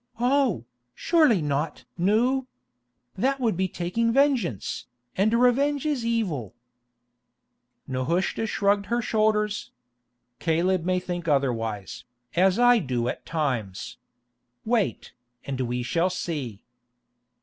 "Oh, surely not! Nou. That would be taking vengeance, and revenge is evil." Nehushta shrugged her shoulders. "Caleb may think otherwise, as I do at times. Wait, and we shall see."